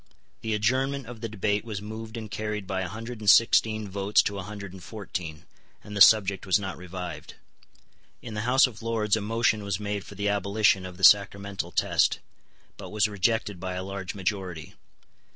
The adjournment of the debate was moved and carried by a hundred and sixteen votes to a hundred and fourteen; and the subject was not revived. In the House of Lords a motion was made for the abolition of the sacramental test, but was rejected by a large majority.